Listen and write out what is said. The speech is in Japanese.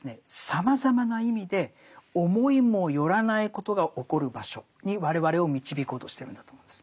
さまざまな意味で思いもよらないことが起こる場所に我々を導こうとしてるんだと思うんです。